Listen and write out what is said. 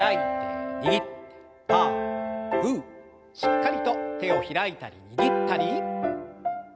しっかりと手を開いたり握ったり。